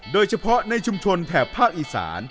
โดยเฉพาะในชุมชนแถบภาคอีสาน